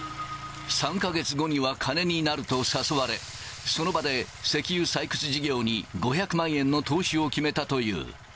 ３か月後には金になると誘われ、その場で石油採掘事業に５００万円の投資を決めたという。